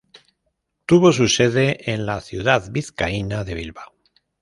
Tuvo su sede en la ciudad vizcaína de Bilbao.